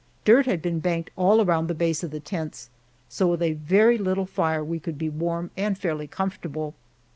Dirt had been banked all around the base of the tents, so with a very little fire we could be warm and fairly comfortable.